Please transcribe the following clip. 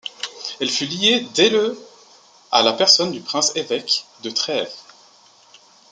Elle fut liée dès le à la personne du prince-évêque de Trèves.